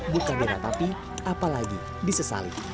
bukan gila tapi apalagi disesali